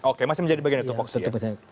oke masih menjadi bagian dari tupoksinya